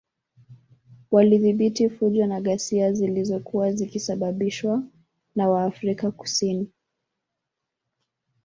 Walidhibiti fujo na ghasia zilozokuwa zikisababishwa na waafrika Kusin